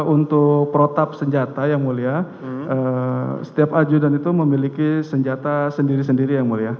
untuk protap senjata yang mulia setiap ajudan itu memiliki senjata sendiri sendiri yang mulia